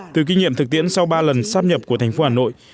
từ kinh nghiệm thực tiễn sau ba lần sắp nhập của thành phố hà nội